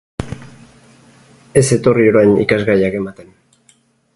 Ez etorri orain ikasgaiak ematen!